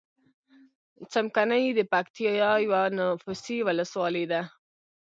څمکنی دپکتیا یوه نفوسې ولسوالۍ ده.